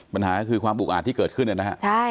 ปัญญาคือความบุกอาจที่เกิดขึ้นนี่นะฮะ